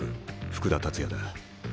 福田達也だ。